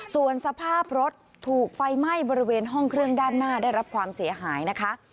ส่วนสภาพรถถูกไฟไหม้บริเวณห้องเครื่องด้านหน้าได้รับความเสียหายนะคะ